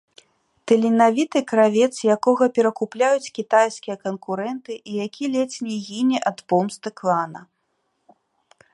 Таленавіты кравец, якога перакупляюць кітайскія канкурэнты і які ледзь не гіне ад помсты клана.